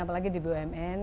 apalagi di bumn